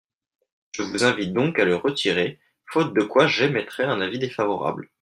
Je vous invite donc à le retirer, faute de quoi j’émettrai un avis défavorable.